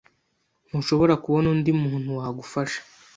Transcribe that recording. Ntushobora kubona undi muntu wagufasha?